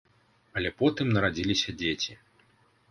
Але потым нарадзіліся дзеці.